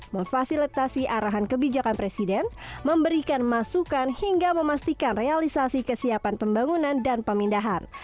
memfasilitasi arahan kebijakan presiden memberikan masukan hingga memastikan realisasi kesiapan pembangunan dan pemindahan